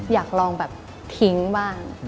อยากลองแบบทิ้งบ้าง